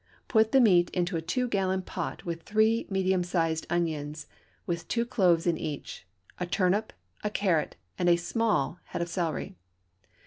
Put the meat into a two gallon pot with three medium sized onions with two cloves in each, a turnip, a carrot, and a small head of celery.